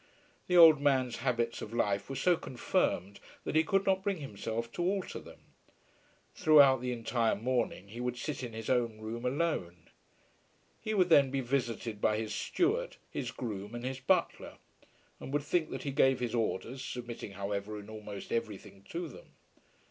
The old man's habits of life were so confirmed that he could not bring himself to alter them. Throughout the entire morning he would sit in his own room alone. He would then be visited by his steward, his groom, and his butler; and would think that he gave his orders, submitting, however, in almost every thing to them.